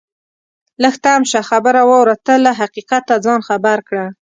لږ تم شه خبره واوره ته له حقیقته ځان خبر کړه